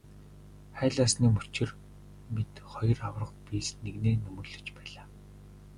Хайлаасны мөчир мэт хоёр аварга биес нэгнээ нөмөрлөж байлаа.